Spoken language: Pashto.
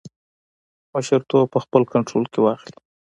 مشرتوب په خپل کنټرول کې واخلي.